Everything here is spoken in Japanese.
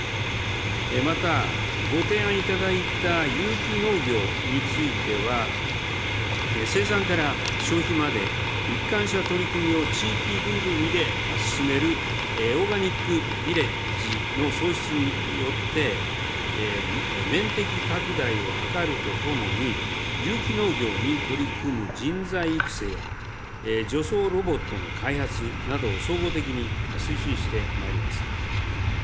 また、ご提案いただいた有機農業については、生産から消費まで、一貫した取り組みを地域ぐるみで進めるオーガニックビレッジの創出によって、面的拡大を図るとともに、有機農業に取り組む人材育成や、除草ロボットの開発などを総合的に推進してまいります。